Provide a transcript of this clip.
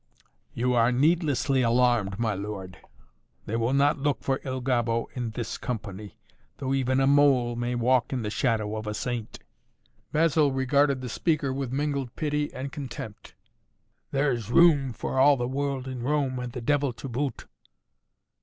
"You are needlessly alarmed, my lord. They will not look for Il Gobbo in this company, though even a mole may walk in the shadow of a saint." Basil regarded the speaker with mingled pity and contempt. "There is room for all the world in Rome and the devil to boot."